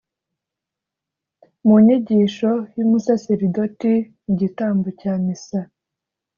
mu nyigisho y’umusaserdoti mu gitambo cya missa,